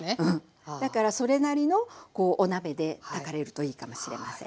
だからそれなりのお鍋で炊かれるといいかもしれません。